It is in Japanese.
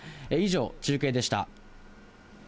以上、中継でした。